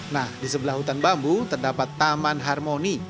nah di sebelah hutan bambu terdapat taman harmoni